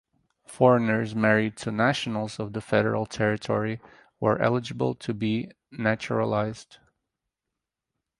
Foreigners married to nationals of the federal territory were eligible to be naturalized.